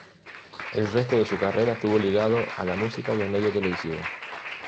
El resto de su carrera estuvo ligado a la música y al medio televisivo.